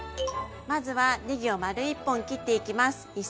まずはねぎを丸１本切っていきます。